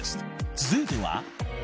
［続いては］